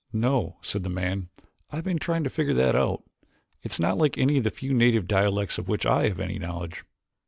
"No," said the man, "I have been trying to figure that out. It's not like any of the few native dialects of which I have any knowledge."